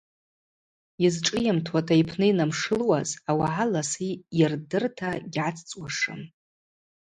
Йызшӏыйымтуата йпны йнамшылуаз ауагӏа ласы йырдырта гьгӏацӏцӏуашым.